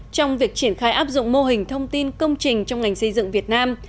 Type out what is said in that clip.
trong việc triển khai áp dụng mô hình thông tin công trình trong ngành xây dựng việt nam